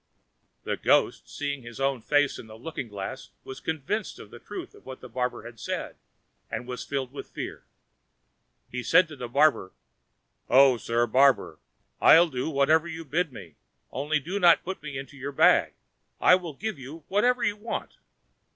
The ghost, seeing his own face in the looking glass, was convinced of the truth of what the barber had said, and was filled with fear. He said to the barber, "O, sir barber, I'll do whatever you bid me, only do not put me into your bag. I'll give you whatever you want."